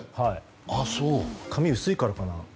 髪が薄いからかな。